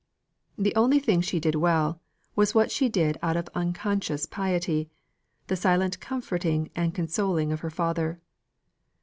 The only thing she did well, was what she did out of unconscious piety, the silent comforting and consoling of her father.